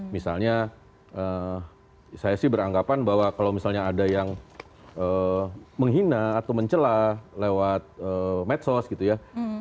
misalnya saya sih beranggapan bahwa kalau misalnya ada yang menghina atau mencelah lewat medsos gitu ya